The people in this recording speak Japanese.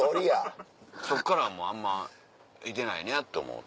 そっからもうあんまいてないねやと思うた。